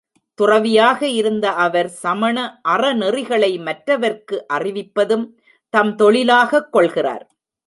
துறவியாக இருந்த அவர் சமண அற நெறிகளை மற்றவர்க்கு அறிவிப்பதும் தம் தொழிலாகக் கொள்கிறார்.